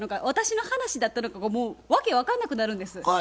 私の話だったのかがもう訳分かんなくなるんです。